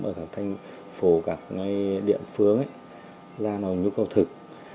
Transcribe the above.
ở các thành phố các địa phương là nó nhu cầu thực